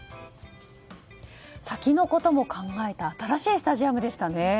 先のことも考えた新しいスタジアムでしたね。